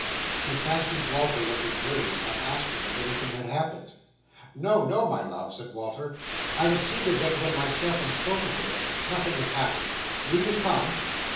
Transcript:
She fancied Walter looked grave, and asked him if anything had happened. "No, no, my love!" said Walter. "I have seen the gentleman myself, and spoken with him. Nothing has happened. Will you come?"